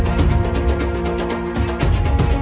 เดี๋ยวสะอาท